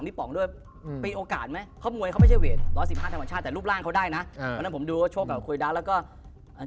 ที่ผ่านมาคุยแล้วก็ชกไม่ค่อยดีนะจริง